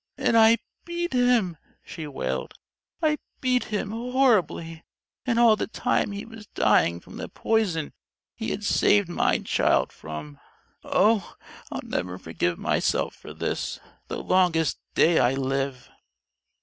"And I beat him," she wailed. "I beat him horribly! And all the time he was dying from the poison he had saved my child from! Oh, I'll never forgive myself for this, the longest day I live."